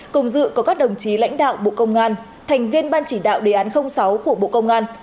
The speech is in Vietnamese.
cùng dự có các đồng chí lãnh đạo bộ công an thành viên ban chỉ đạo đề án sáu của bộ công an